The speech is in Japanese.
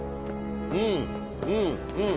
うんうんうん。